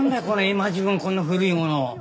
今時分こんな古いもの。